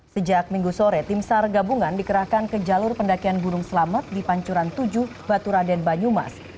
sejak minggu sore tim sar gabungan dikerahkan ke jalur pendakian gunung selamet di pancuran tujuh baturaden banyumas